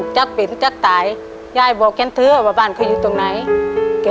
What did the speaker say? เจอน้อยครั้งแรก